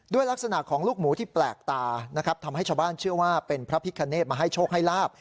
ลักษณะของลูกหมูที่แปลกตานะครับทำให้ชาวบ้านเชื่อว่าเป็นพระพิคเนธมาให้โชคให้ลาบ